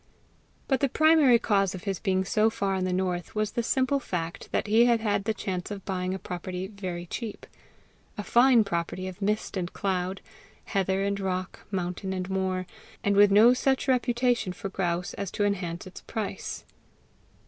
But the primary cause of his being so far in the north was the simple fact that he had had the chance of buying a property very cheap a fine property of mist and cloud, heather and rock, mountain and moor, and with no such reputation for grouse as to enhance its price.